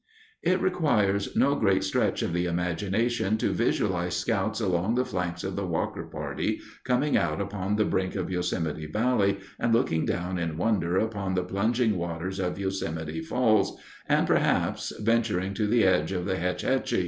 It requires no great stretch of the imagination to visualize scouts along the flanks of the Walker party coming out upon the brink of Yosemite Valley and looking down in wonder upon the plunging waters of Yosemite Falls and, perhaps, venturing to the edge of the Hetch Hetchy.